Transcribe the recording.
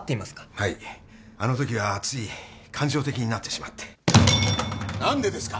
はいあのときはつい感情的になってしまって何でですか？